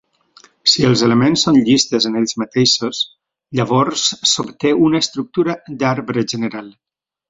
Si els elements són llistes en ells mateixos, llavors s'obté una estructura d'arbre general.